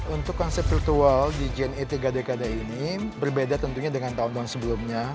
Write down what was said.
untuk konsep virtual di jne tiga dekade ini berbeda tentunya dengan tahun tahun sebelumnya